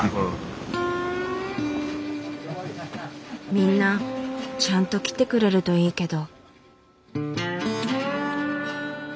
みんなちゃんと来てくれるといいけど。